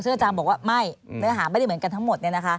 ซึ่งอาจารย์บอกว่าไม่เนื้อหาไม่ได้เหมือนกันทั้งหมด